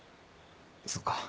そっか。